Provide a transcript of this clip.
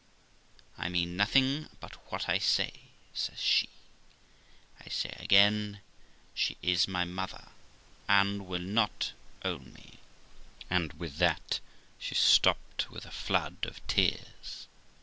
'I mean nothing but what I say', says she. 'I say again, she is my mother, and will not own me '; and with that she stopped with a flood of tears.